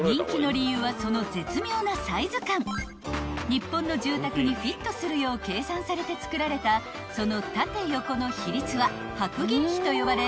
［日本の住宅にフィットするよう計算されて造られたその縦横の比率は白銀比と呼ばれ］